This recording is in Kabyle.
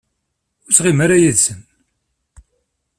Ur ttɣimi ara yid-sen.